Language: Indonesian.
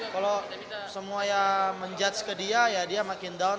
kalau semua yang menjudge ke dia ya dia makin down